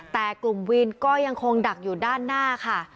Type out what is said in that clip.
แต่กลุ่มวินก็ยังคงดักอยู่ด้านหน้าค่ะ